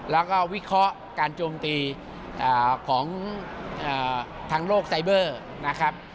แล้วก็วิเคราะห์การโจมตีของทางโลกไซเบอร์นะครับ